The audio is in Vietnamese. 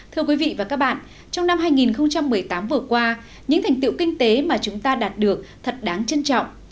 thưa quý vị và các bạn trong năm hai nghìn một mươi tám vừa qua những thành tiệu kinh tế mà chúng ta đạt được thật đáng trân trọng